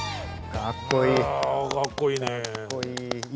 かっこいい。